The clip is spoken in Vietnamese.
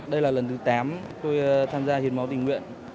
đây là lần thứ tám tôi tham gia hiến máu tình nguyện